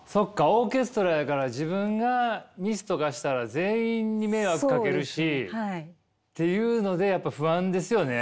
オーケストラやから自分がミスとかしたら全員に迷惑かけるしっていうのでやっぱ不安ですよね。